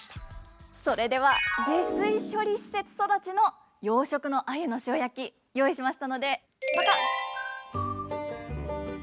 それでは下水処理施設育ちの養殖のアユの塩焼き用意しましたので。